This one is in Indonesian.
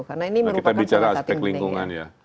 karena ini merupakan sebagai aspek lingkungan ya